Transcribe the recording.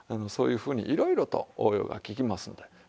そういうふうにいろいろと応用が利きますので。